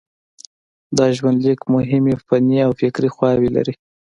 دا ژوندلیک مهمې فني او فکري خواوې لري.